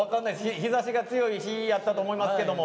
日ざしが強い日やったかと思いますけど。